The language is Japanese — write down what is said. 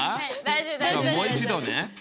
じゃもう一度ね。